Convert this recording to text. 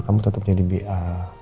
kamu tetep jadi ba